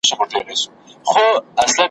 نه به په خولو کي نه به په زړه یم`